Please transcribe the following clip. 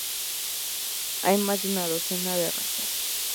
Hay más de una docena de razas.